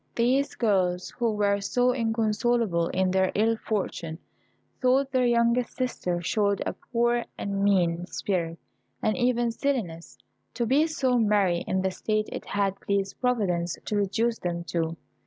These girls, who were so inconsolable in their ill fortune, thought their youngest sister showed a poor and mean spirit, and even silliness, to be so merry in the state it had pleased Providence to reduce them to.